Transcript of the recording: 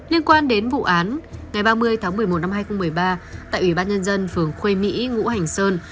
liên quan đến vụ án ngày ba mươi tháng một mươi một năm hai nghìn một mươi ba tại ủy ban nhân dân phường khuê mỹ ngũ hành sơn